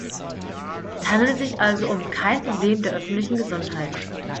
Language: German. Es handelt sich also um kein Problem der öffentlichen Gesundheit.